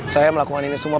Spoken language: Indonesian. saya melakukan ini semua